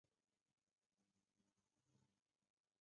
其运行的列车又分为直通旅客列车与管内旅客列车。